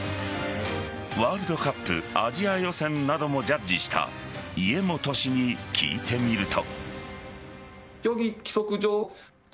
ワールドカップアジア予選などもジャッジした家本氏に聞いてみると。